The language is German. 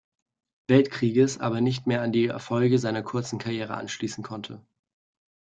Weltkrieges aber nicht mehr an die Erfolge seiner kurzen Karriere anschließen konnte.